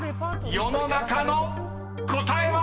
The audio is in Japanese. ［世の中の答えは⁉］